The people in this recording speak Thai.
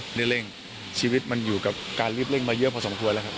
รีบเร่งชีวิตมันอยู่กับการรีบเร่งมาเยอะพอสมควรแล้วครับ